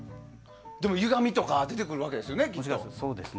でもゆがみとか出てくるわけですよね。